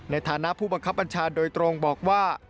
ในฐานะผู้บังคับบัญชาโดยตรงบอกว่า